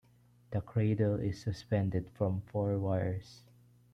The cradle is suspended from four wires.